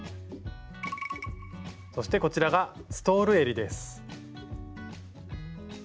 そしてこちらがストールえりです。